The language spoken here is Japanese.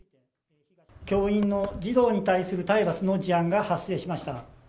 教員の児童に対する体罰の事案が発生しました。